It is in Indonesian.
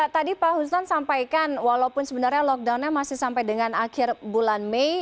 tadi pak husnan sampaikan walaupun sebenarnya lockdownnya masih sampai dengan akhir bulan mei